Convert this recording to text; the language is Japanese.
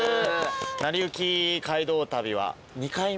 『なりゆき街道旅』は２回目？